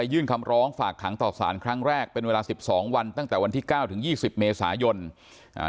ยื่นคำร้องฝากขังต่อสารครั้งแรกเป็นเวลาสิบสองวันตั้งแต่วันที่เก้าถึงยี่สิบเมษายนอ่า